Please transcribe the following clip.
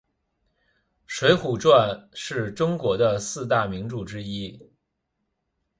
水浒传是中国的四大名著之一。